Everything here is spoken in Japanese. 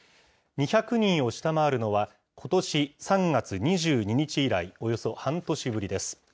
２００人を下回るのは、ことし３月２２日以来、およそ半年ぶりです。